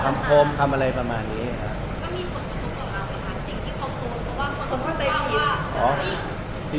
ก็มีคนสูงตัวเราไหมคะจริงเขาคงรู้เพราะว่าคนเขาได้รักว่า